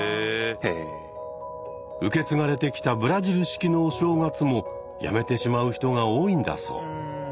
受け継がれてきたブラジル式のお正月もやめてしまう人が多いんだそう。